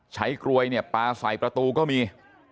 กลวยเนี่ยปลาใส่ประตูก็มี